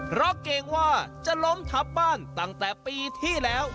เพราะเกรงว่าจะล้มทับบ้านตั้งแต่ปีที่แล้ว